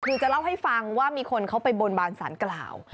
คือจะเล่าให้ฟังว่ามีคนเขาไปบนบานสารกล่าว